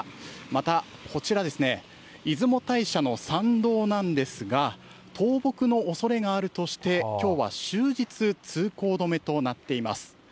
またこちら、出雲大社の参道なんですが、倒木のおそれがあるとして、きょうは終日、通行止めとなっています。